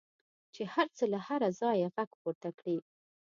چې هر څه له هره ځایه غږ پورته کړي.